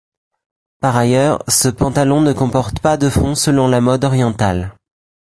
Par ailleurs, ce pantalon ne comporte pas de fond selon la mode orientale.